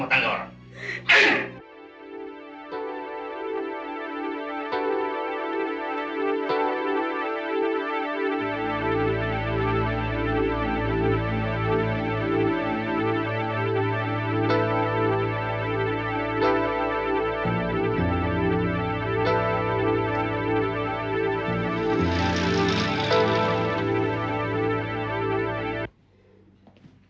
jangan menangkap orang lain